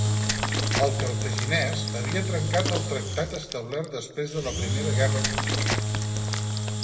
El cartaginès havia trencat el tractat establert després de la Primera Guerra Púnica.